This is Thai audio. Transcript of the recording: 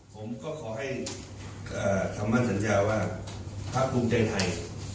ผมก็ขอให้ทำว่าสัญญาว่าพระคุมเจย์ไทย